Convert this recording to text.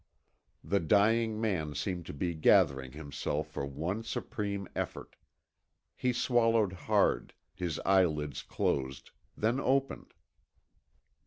The dying man seemed to be gathering himself for one supreme effort. He swallowed hard; his eyelids closed, then opened.